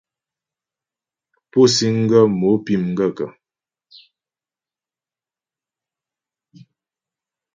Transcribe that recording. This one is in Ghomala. Pú síŋ ghə́ mo pí m gaə̂kə́ ?